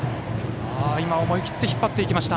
今、思い切って引っ張っていきました。